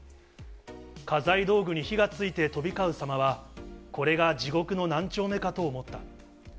家財道具に火がついて飛び交うさまは、これが地獄の何丁目かと思った。